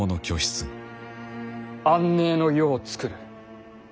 安寧の世をつくる。